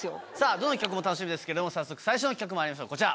どの企画も楽しみですけども早速最初の企画まいりましょうこちら。